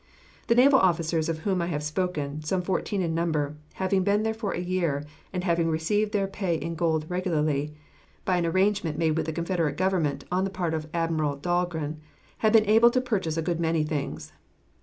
The naval officers of whom I have spoken, some fourteen in number, having been there for a year, and having received their pay in gold regularly, by an arrangement made with the Confederate government on the part of Admiral Dahlgren, had been able to purchase a good many things.